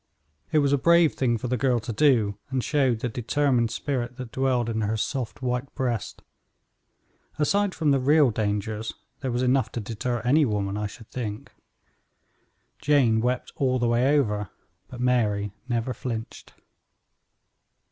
It was a brave thing for the girl to do, and showed the determined spirit that dwelt in her soft white breast. Aside from the real dangers, there was enough to deter any woman, I should think. Jane wept all the way over, but Mary never flinched.